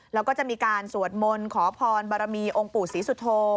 แล้วก็จะมีการสวดมนต์ขอพรบารมีองค์ปู่ศรีสุโธ